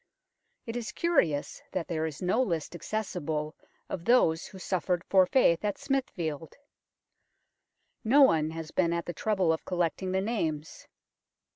It is curious that there is no list accessible of those who suffered for faith at Smithfield no one has been at the trouble of collecting the names.